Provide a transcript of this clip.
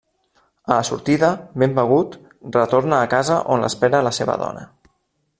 A la sortida, ben begut, retorna a casa on l’espera la seva dona.